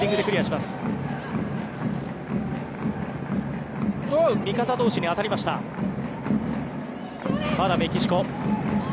まだメキシコ。